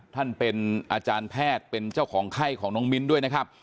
ท่านเป็นอาจารย์แพทย์เป็นเจ้าของไข้ของน้องมิ้นด้วยนะครับ